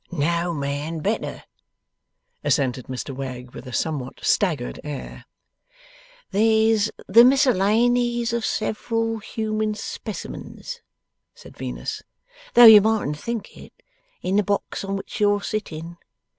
'No man better,' assented Mr Wegg, with a somewhat staggered air. 'There's the Miscellanies of several human specimens,' said Venus, '(though you mightn't think it) in the box on which you're sitting.